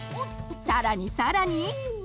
さらにさらに！